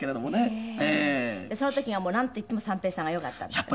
その時がなんといっても三平さんがよかったんですって？